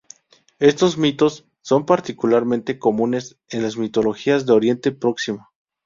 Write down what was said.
Estos mitos son particularmente comunes en las mitologías de Oriente Próximo.